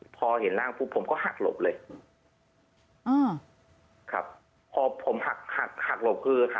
พอเห็นล่างผมก็หักหลบเลยพอผมหักหลบคือ